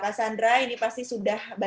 kegunaan jawab anggota keluarga